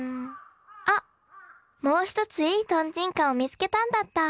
あっもう一ついいトンチンカンを見つけたんだった！